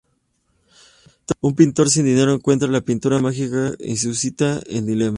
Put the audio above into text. Un pintor sin dinero encuentra la pintura mágica que suscita un dilema.